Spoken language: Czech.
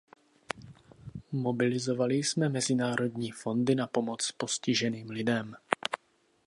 Mobilizovali jsme mezinárodní fondy na pomoc postiženým lidem.